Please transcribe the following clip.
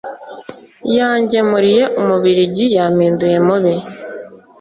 yangemuriye umubiligi yampinduye mubi